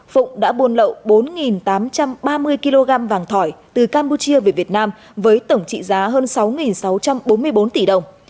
phụng đã buôn lậu bốn tám trăm ba mươi kg vàng thỏi từ campuchia về việt nam với tổng trị giá hơn sáu sáu trăm bốn mươi bốn tỷ đồng